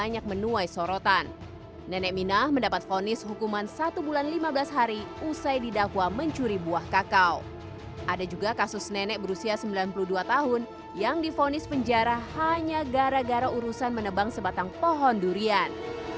yang difonis penjara hanya gara gara urusan menebang sebatang pohon durian